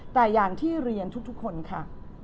แต่อย่างที่เรียนทุกคนค่ะ